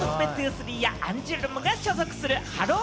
’２３やアンジュルムが所属するハロー！